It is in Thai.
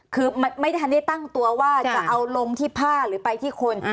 คือไม่ทันได้ตั้งตัวว่าจะเอาลงที่ผ้าหรือไปที่คน